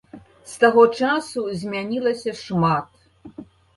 З таго часу змянілася шмат.